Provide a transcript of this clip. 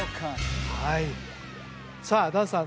はいさあ檀さん